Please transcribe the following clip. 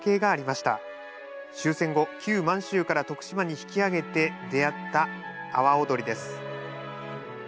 終戦後旧満州から徳島に引き揚げて出会った阿波踊りです。